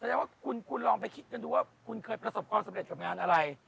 แสดงว่าคุณลองไปคิดกันดูว่าคุณเคยประสบความสำเร็จกับงานอะไร